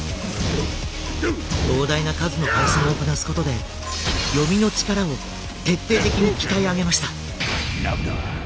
膨大な数の対戦をこなすことで読みの力を徹底的に鍛え上げました。